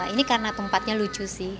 ini karena tempatnya lucu sih